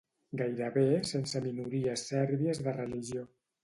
Gairebé sense minories sèrbies de religió